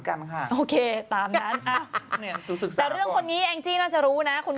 ก็ใช่อะแม่มีลูกด้วย